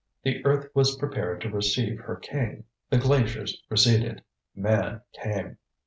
The earth was prepared to receive her king. The glaciers receded. Man came.